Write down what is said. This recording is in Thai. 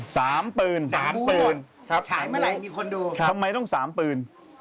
สามปืนสามปืนครับฉายเมื่อไหร่มีคนดูครับทำไมต้องสามปืน